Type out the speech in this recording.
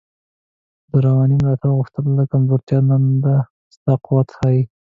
د روانی ملاتړ غوښتل کمزوتیا نده، دا ستا قوت ښایی